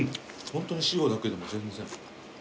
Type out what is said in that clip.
ホントに塩だけでも全然。